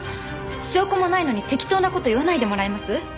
証拠もないのに適当な事言わないでもらえます？